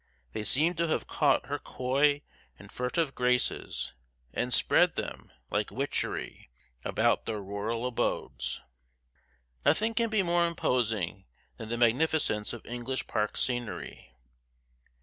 They seem to have caught her coy and furtive graces, and spread them, like witchery, about their rural abodes. Nothing can be more imposing than the magnificence of English park scenery.